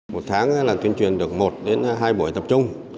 một tháng là tuyên truyền được một đến hai buổi tập trung